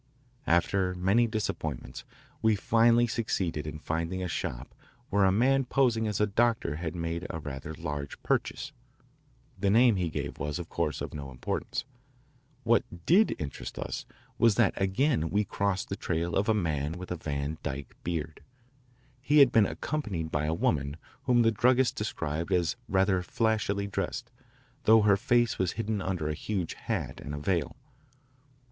After many disappointments we finally succeeded in finding a shop where a man posing as a doctor had made a rather large purchase. The name he gave was of course of no importance. What did interest us was that again we crossed the trail of a man with a Van Dyke beard. He had been accompanied by a woman whom the druggist described as rather flashily dressed, though her face was hidden under a huge hat and a veil.